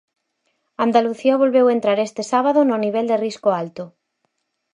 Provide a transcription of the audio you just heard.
Andalucía volveu entrar este sábado no nivel de risco alto.